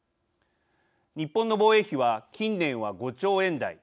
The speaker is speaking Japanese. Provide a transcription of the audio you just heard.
日本の防衛費は、近年は５兆円台。